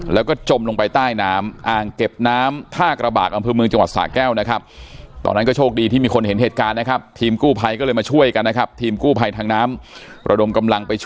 แล้วก็จมลงไปใต้น้ำอ่างเก็บน้ำท่ากระบากอำเภอเมืองจังหวัดสะแก้วนะครับ